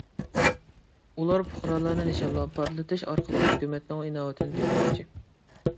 ئۇلار پۇقرالارنى نىشانلاپ پارتلىتىش ئارقىلىق ھۆكۈمەتنىڭ ئىناۋىتىنى تۆكمەكچى.